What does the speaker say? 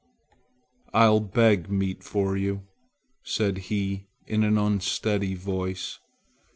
"I'll beg meat for you!" said he in an unsteady voice.